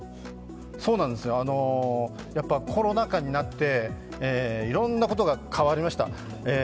そうなんです、コロナ禍になって、いろんなことが変わりました。